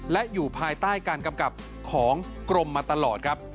และอยู่ภายใต้การกำกับของกรมมาตลอดครับ